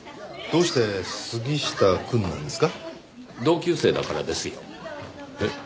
どうして「杉下くん」なんですか？同級生だからですよ。えっ？